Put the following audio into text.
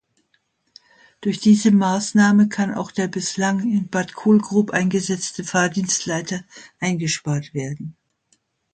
Durch diese Maßnahme kann auch der bislang in Bad Kohlgrub eingesetzte Fahrdienstleiter eingespart werden.